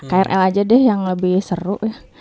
krl aja deh yang lebih seru ya